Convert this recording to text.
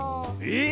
え